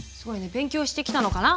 勉強してきたのかな？